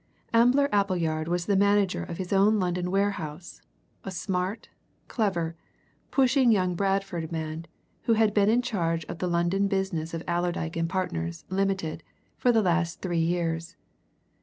Ambler Appleyard was the manager of his own London warehouse, a smart, clever, pushing young Bradford man who had been in charge of the London business of Allerdyke and Partners, Limited, for the last three years.